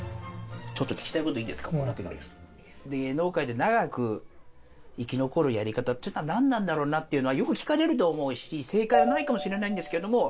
芸能界で長く生き残るやり方っていうのはなんなんだろうなっていうのはよく聞かれると思うし正解はないかもしれないんですけれども。